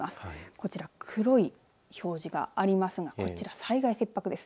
こちら、黒い表示がありますがこちら災害切迫です。